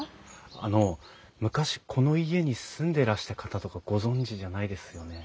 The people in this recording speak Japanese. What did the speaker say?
あの昔この家に住んでらした方とかご存じじゃないですよね？